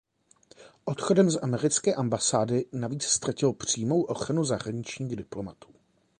Odchodem z americké ambasády navíc ztratil přímou ochranu zahraničních diplomatů.